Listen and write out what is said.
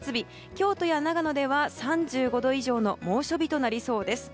京都や長野では３５度以上の猛暑日となりそうです。